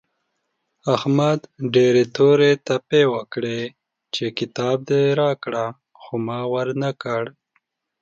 احمد ډېرې تورې تپې وکړې چې کتاب دې راکړه خو ما ور نه کړ.